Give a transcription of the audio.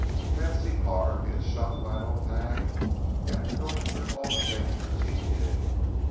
fancy Carr being shot by an old hag after going through all the dangers he did.